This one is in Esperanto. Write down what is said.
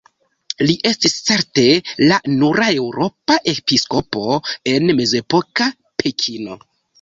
Li estis certe la nura eŭropa episkopo en mezepoka Pekino.